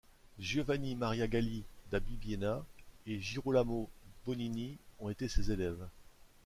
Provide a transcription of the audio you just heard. Giovanni Maria Galli da Bibiena et Girolamo Bonini ont été ses élèves.